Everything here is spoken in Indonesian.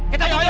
kita tuntut dia